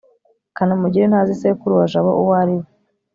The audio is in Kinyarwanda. kanamugire ntazi sekuru wa jabo uwo ari we